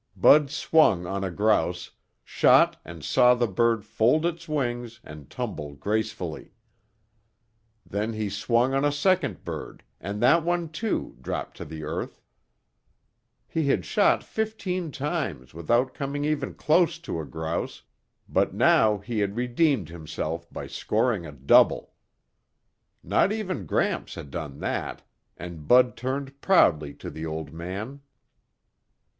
Bud swung on a grouse, shot and saw the bird fold its wings and tumble gracefully. Then he swung on a second bird and that one, too, dropped to the earth. He had shot fifteen times without coming even close to a grouse, but now he had redeemed himself by scoring a double. Not even Gramps had done that, and Bud turned proudly to the old man.